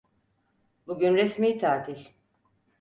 Bugün resmi tatil.